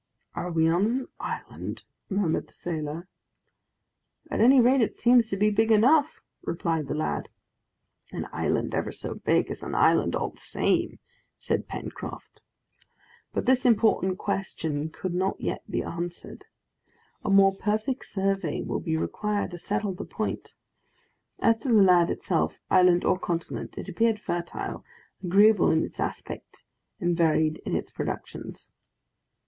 "Are we on an island?" murmured the sailor. "At any rate, it seems to be big enough," replied the lad. "An island, ever so big, is an island all the same!" said Pencroft. But this important question could not yet be answered. A more perfect survey had to be made to settle the point. As to the land itself, island or continent, it appeared fertile, agreeable in its aspect, and varied in its productions.